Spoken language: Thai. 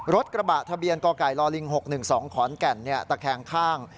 รถกระบะทะเบียนกไก่ลิง๖๑๒ขอนแก่นตะแคงข้าง